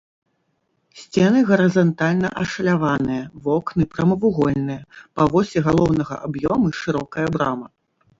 Сцены гарызантальна ашаляваныя, вокны прамавугольныя, па восі галоўнага аб'ёму шырокая брама.